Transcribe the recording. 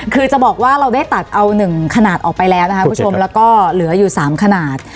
คือจะบอกว่าเราได้ตัดเอา๑ขนาดออกไปแล้วนะคะคุณผู้ชมแล้วก็เหลืออยู่๓ขนาด